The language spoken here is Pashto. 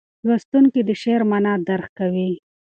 لوستونکی د شعر معنا درک کوي.